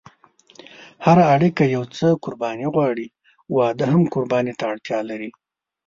هره اړیکه یو څه قرباني غواړي، واده هم قرباني ته اړتیا لري.